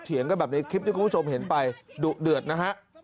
กันแบบในคลิปที่คุณผู้ชมเห็นไปดุเดือดนะฮะ